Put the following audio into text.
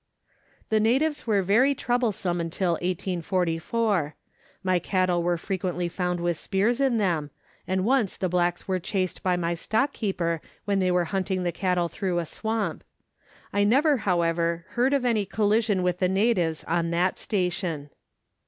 The natives were very troublesome till 1844. My cattle were frequently found with spears in them, and once the blacks were chased by my stock keeper when they were hunting the cattle through a swamp. I never, however, heard of any collision with the natives on that station.